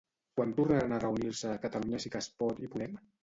Quan tornaran a reunir-se Catalunya Sí que es Pot i Podem?